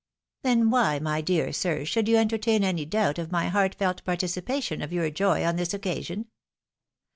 " Then why, my dear sir, should you entertain any doubt of my heartfelt participation of your joy on this occasion.